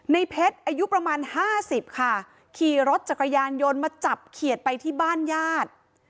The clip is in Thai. ในเพชรอายุประมาณห้าสิบค่ะขี่รถจักรยานยนต์มาจับเขียดไปที่บ้านญาติ